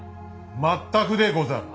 全くでござる。